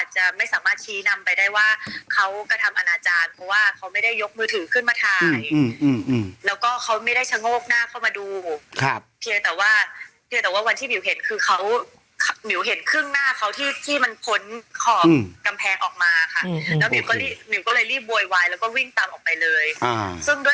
จะไม่สามารถชี้นำไปได้ว่าเขากระทำอนาจารย์เพราะว่าเขาไม่ได้ยกมือถือขึ้นมาถ่ายแล้วก็เขาไม่ได้ชะโงกหน้าเข้ามาดูครับเพียงแต่ว่าเพียงแต่ว่าวันที่หมิวเห็นคือเขาหมิวเห็นครึ่งหน้าเขาที่ที่มันพ้นขอบกำแพงออกมาค่ะแล้วมิวก็รีบหิวก็เลยรีบโวยวายแล้วก็วิ่งตามออกไปเลยซึ่งด้วย